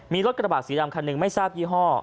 มีรถกระบาดสีดำคันหนึ่งไม่ทราบยี่ห้อ